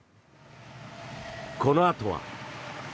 このあとは。